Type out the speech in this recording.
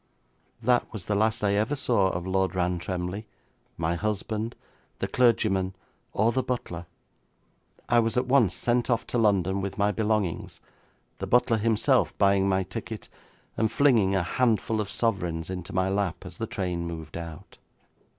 That was the last I ever saw of Lord Rantremly, my husband, the clergyman, or the butler. I was at once sent off to London with my belongings, the butler himself buying my ticket, and flinging a handful of sovereigns into my lap as the train moved out.'